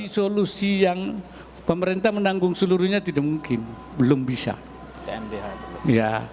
solusi yang pemerintah menanggung seluruhnya tidak mungkin belum bisa